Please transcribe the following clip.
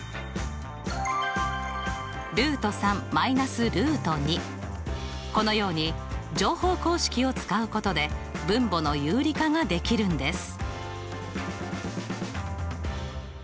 つまりこのように乗法公式を使うことで分母の有理化ができるんです。